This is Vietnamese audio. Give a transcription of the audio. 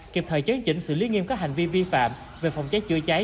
kịp thời chứng chỉnh sự lý nghiêm các hành vi vi phạm về phòng cháy chữa cháy